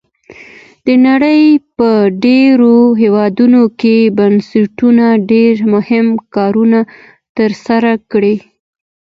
د نړۍ په ډیری هیوادونو کې بنسټونو ډیر مهم کارونه تر سره کړي.